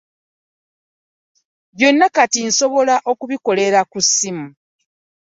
Byonna kati nsobola okubikolera ku ssimu.